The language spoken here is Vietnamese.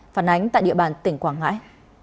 phản ánh tại địa bàn tỉnh quảng ngãi